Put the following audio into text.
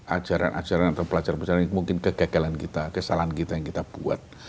ajaran ajaran atau pelajar pelajaran mungkin kegagalan kita kesalahan kita yang kita buat